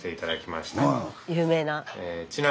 有名な。